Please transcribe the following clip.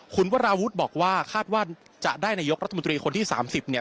คุณวราวุฒิบอกว่าคาดว่าจะได้นายกรัฐมนตรีคนที่๓๐เนี่ย